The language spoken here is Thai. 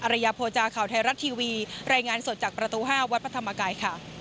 ระยะโภจาข่าวไทยรัฐทีวีรายงานสดจากประตู๕วัดพระธรรมกายค่ะ